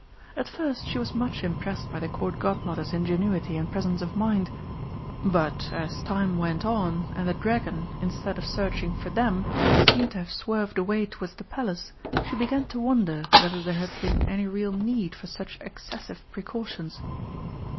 At first she was much impressed by the Court Godmother's ingenuity and presence of mind, but as time went on, and the dragon, instead of searching for them, seemed to have swerved away towards the Palace, she began to wonder whether there had been any real need for such excessive precautions.